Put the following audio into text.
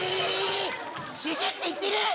シュシュッていっている？